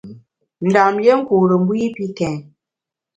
Ndam lié nkure mbu i pi kèn.